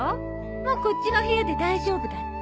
もうこっちの部屋で大丈夫だって。